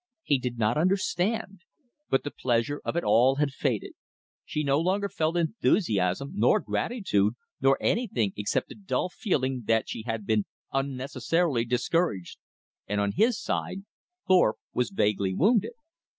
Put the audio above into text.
He did not understand; but the pleasure of it had all faded. She no longer felt enthusiasm, nor gratitude, nor anything except a dull feeling that she had been unnecessarily discouraged. And on his side, Thorpe was vaguely wounded.